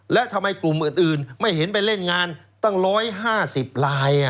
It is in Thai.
และทำไมกลุ่มอื่นไม่เห็นไปเล่นงานตั้ง๑๕๐ลาย